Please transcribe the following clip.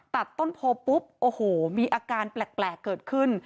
ต้นโพปุ๊บโอ้โหมีอาการแปลกเกิดขึ้น